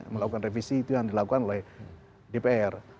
melakukan revisi itu yang dilakukan oleh dpr